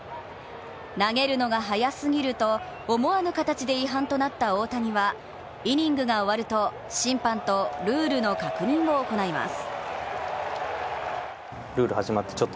投げるのが早すぎると思わぬ形で違反となった大谷はイニングが終わると審判とルールの確認を行います。